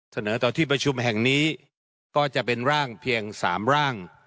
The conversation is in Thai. เสนอต่อที่ประชุมแห่งนี้ก็จะเป็นร่างเพียง๓ร่าง